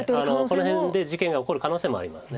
この辺で事件が起こる可能性もあります。